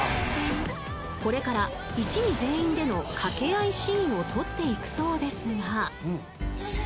［これから一味全員での掛け合いシーンをとっていくそうですが］